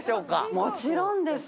もちろんです。